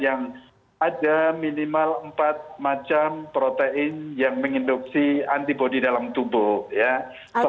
yang ada minimal empat macam protein yang mengindupsi antibody dalam tubuh